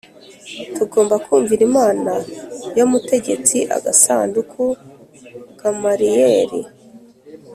Tugomba kumvira Imana yo mutegetsi Agasanduku Gamaliyeli